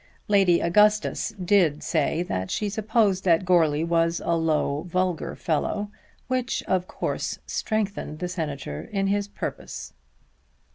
Lady Augustus did say that she supposed that Goarly was a low vulgar fellow, which of course strengthened the Senator in his purpose.